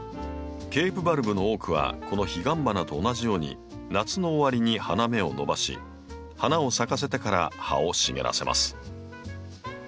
ケープバルブの多くはこのヒガンバナと同じように夏の終わりに花芽を伸ばし花を咲かせてから葉を茂らせます。